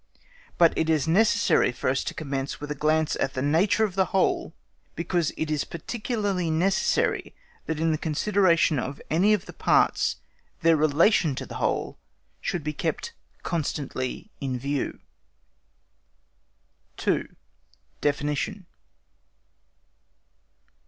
But it is necessary for us to commence with a glance at the nature of the whole, because it is particularly necessary that in the consideration of any of the parts their relation to the whole should be kept constantly in view. 2. DEFINITION.